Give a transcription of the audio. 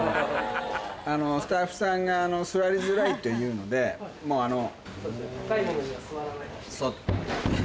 スタッフさんが座りづらいというのでもうあの。